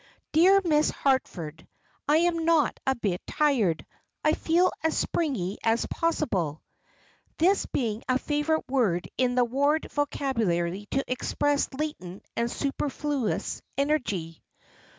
"Dear Miss Harford, I am not a bit tired. I feel as springy as possible" this being a favourite word in the Ward vocabulary to express latent and superfluous energy.